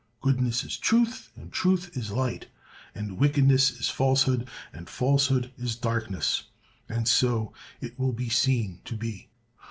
Goodness is truth, and truth is light—and wickedness is falsehood, and falsehood is darkness; and so it will be seen to be.